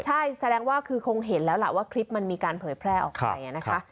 ใช่แสดงว่าคือคงเห็นแล้วล่ะว่าคลิปมันมีการเผยแพร่ออกไปนะคะ